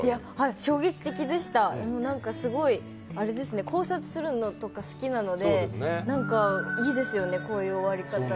衝撃的でした、すごい考察するのとか好きなのでなんかいいですよね、こういう終わり方。